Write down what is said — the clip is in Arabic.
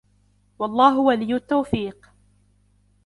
وَاَللَّهُ وَلِيُّ التَّوْفِيقِ